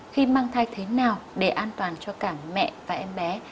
khi mang thai thế nào để an toàn cho cả mẹ và em bé